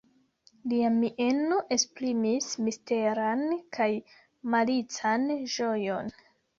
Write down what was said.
Lia mieno esprimis misteran kaj malican ĝojon.